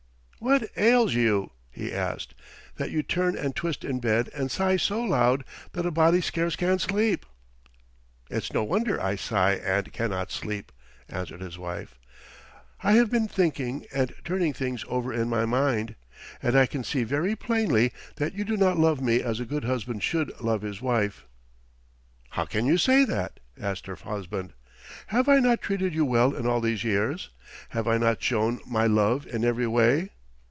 "What ails you," he asked, "that you turn and twist in bed and sigh so loud that a body scarce can sleep." "It's no wonder I sigh and cannot sleep," answered his wife. "I have been thinking and turning things over in my mind, and I can see very plainly that you do not love me as a good husband should love his wife." "How can you say that?" asked her husband. "Have I not treated you well in all these years? Have I not shown my love in every way?"